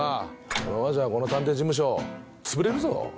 このままじゃこの探偵事務所つぶれるぞ？